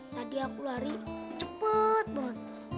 tadi aku lari cepat banget